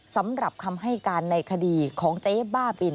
สำหรับคำให้การในคดีของเจ๊บ้าบิน